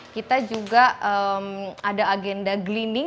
kita juga ada agenda glenning